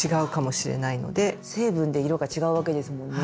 成分で色が違うわけですもんね。